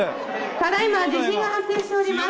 ただ今地震が発生しております。